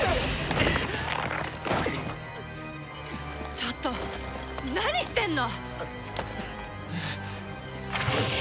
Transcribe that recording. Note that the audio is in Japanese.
ちょっと何してんの！